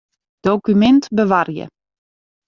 Dokumint bewarje.